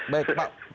baik pak margarito